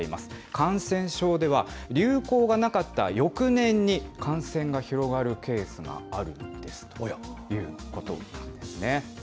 感染症では流行がなかった翌年に感染が広がるケースがあるんですということなんですね。